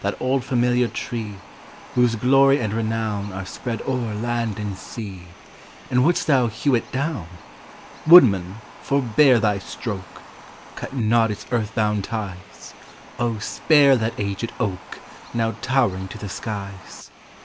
That old familiar tree, Whose glory and renown Are spread o'er land and sea And wouldst thou hew it down? Woodman, forebear thy stroke! Cut not its earth bound ties; Oh, spare that aged oak, Now towering to the skies!